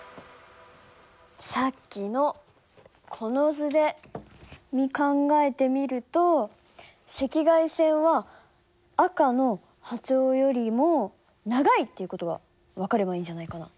さっきのこの図で考えてみると赤外線は赤の波長よりも長いっていう事が分かればいいんじゃないかな。